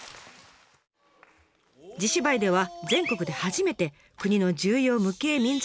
地芝居では全国で初めて国の重要無形民俗